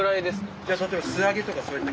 じゃあ例えば素揚げとかそういった。